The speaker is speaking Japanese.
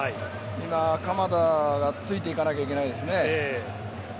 今、鎌田がついていかなきゃいけないですね。